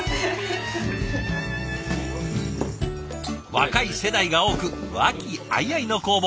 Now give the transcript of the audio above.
若い世代が多く和気あいあいの工房。